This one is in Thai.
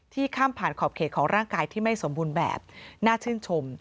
ข้ามผ่านขอบเขตของร่างกายที่ไม่สมบูรณ์แบบน่าชื่นชม